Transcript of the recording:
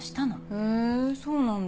へえそうなんだ。